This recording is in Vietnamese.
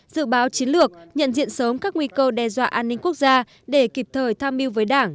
dự báo chiến lược nhận diện sớm các nguy cơ đe dọa an ninh quốc gia để kịp thời tham mưu với đảng